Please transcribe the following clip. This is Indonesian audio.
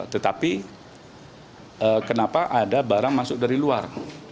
tetapi kenapa ada barang masuk dari luar